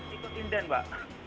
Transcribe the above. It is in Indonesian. ikut inden mbak